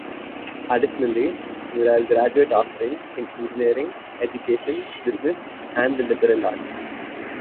Additionally, there are graduate offerings in engineering, education, business, and the liberal arts.